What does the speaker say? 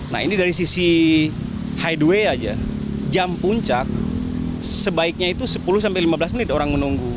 nah ini dari sisi highway aja jam puncak sebaiknya itu sepuluh sampai lima belas menit orang menunggu